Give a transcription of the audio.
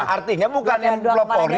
artinya bukan yang blokori